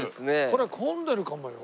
これ混んでるかもよ。